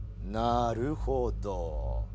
なるほど。